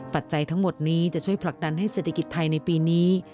ปัจจัยทั้งหมดนี้จะช่วยผลักดันให้เศรษฐกิจไทยในปีนี้